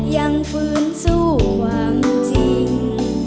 ยังฟื้นสู้ความจริง